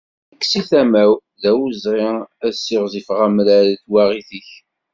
Nek, seg tama-w, d awezɣi ad siɣzefeɣ amrar i twaɣit-ik.